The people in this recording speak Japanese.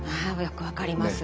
よく分かります。